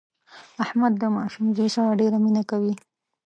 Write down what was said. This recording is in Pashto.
احمد د ماشوم زوی سره ډېره مینه کوي.